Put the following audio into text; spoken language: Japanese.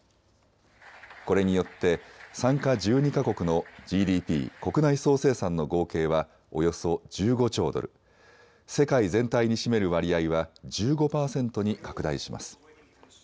これによって参加１２か国のＧＤＰ・国内総生産の合計はおよそ１５兆ドル、世界全体に占める割合は１５％に拡大します。